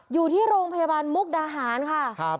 อยู่ที่โรงพยาบาลมุกดาหารค่ะ